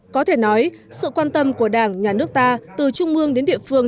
có thể nói sự quan tâm của đảng nhà nước ta từ trung mương đến địa phương